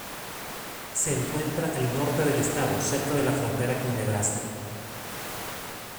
Se encuentra al norte del estado, cerca de la frontera con Nebraska.